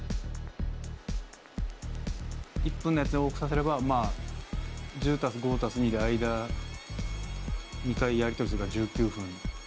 １分のやつを往復させれば１０＋５＋２で間２回やり取りするから１９分。